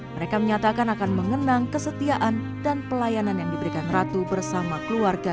mereka menyatakan akan mengenang kesetiaan dan pelayanan yang diberikan ratu bersama keluarga